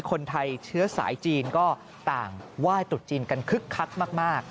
คนไทยเชื้อสายจีนก็ต่างไหว้ตรุษจีนกันคึกคักมาก